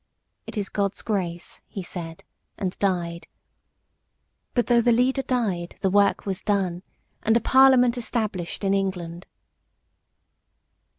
"It is God's grace," he said, and died. But though the leader died, the work was done, and a Parliament established in England.